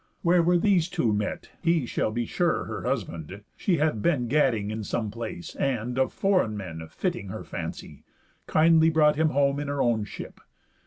Where were these two met? He shall be sure her husband. She hath been Gadding in some place, and, of foreign men Fitting her fancy, kindly brought him home In her own ship.